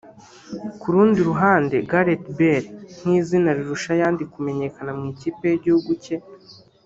Ku rundi ruhande Gareth Bale nk’izina rirusha ayandi kumenyekana mu ikipe y’igihugu cye